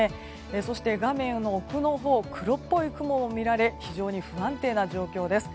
そして、画面の奥のほう黒っぽい雲も見られ非常に不安定な状況です。